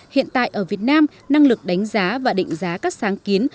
hiện tại ở việt nam năng lực đánh giá và định giá các sáng kiến